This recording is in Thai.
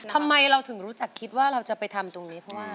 ทำไมเราถึงรู้จักคิดว่าเราจะไปทำตรงนี้